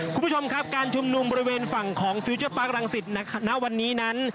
คุณผู้ชมครับการชุมนุมบริเวณฝั่งของฟิลเจอร์ปาร์ครังสิตณวันนี้นั้น